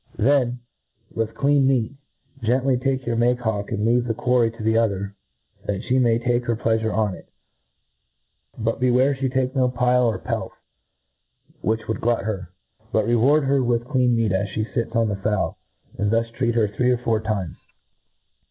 Then, with clean meat, gently take up your make hawk, and leave the quarry to the other, that fhe may take her plea fure on it. But beware fhe take no pile or pelf, which would glut her; but reward her with clean meat as Ihc fits on the fowl j and thus treat her three or four times.